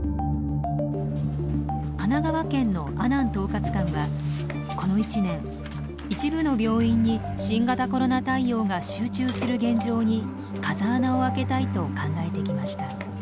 神奈川県の阿南統括官はこの１年一部の病院に新型コロナ対応が集中する現状に風穴を開けたいと考えてきました。